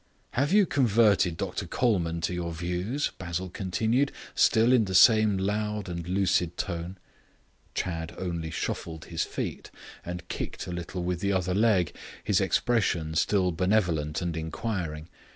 "Have you converted Dr Colman to your views?" Basil continued, still in the same loud and lucid tone. Chadd only shuffled his feet and kicked a little with the other leg, his expression still benevolent and inquiring.